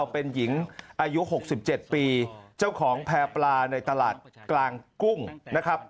เป็นหญิงอายุ๖๗ปีเจ้าของแพร่ปลาในตลาดกลางกุ้งนะครับ